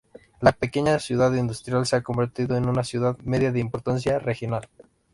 La pequeña ciudad industrial se ha convertido en una ciudad media de importancia regional.